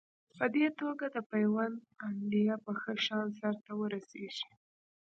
په دې توګه د پیوند عملیه په ښه شان سر ته ورسېږي.